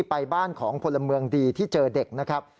ไปบ้านของพลเมืองดีที่เจอเด็กนะครับ